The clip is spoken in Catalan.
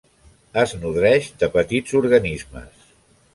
Es nodreix de petits organismes.